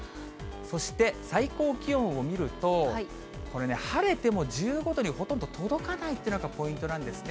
そして、最高気温を見ると、これね、晴れても１５度にほとんど届かないっていうのがポイントなんですね。